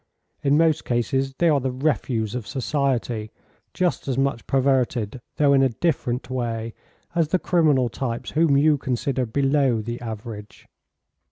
In most cases they are the refuse of society, just as much perverted, though in a different way, as the criminal types whom you consider below the average."